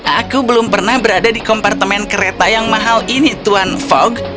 aku belum pernah berada di kompartemen kereta yang mahal ini tuan fog